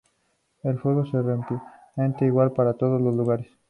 El juego se reglamenta; igual para todos los lugares.